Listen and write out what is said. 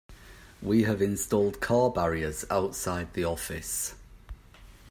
We have installed car barriers outside the office.